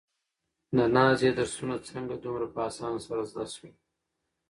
د نازيې درسونه څنګه دومره په اسانۍ سره زده شول؟